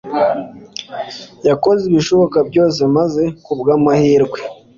yakoze ibishoboka byose maze kubw amahirwe